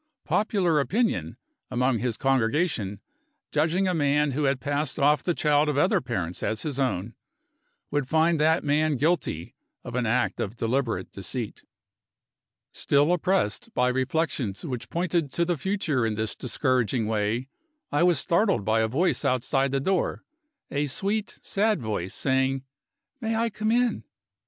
Popular opinion, among his congregation, judging a man who had passed off the child of other parents as his own, would find that man guilty of an act of deliberate deceit. Still oppressed by reflections which pointed to the future in this discouraging way, I was startled by a voice outside the door a sweet, sad voice saying, "May I come in?"